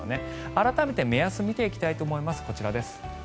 改めて、目安を見ていきたいと思います。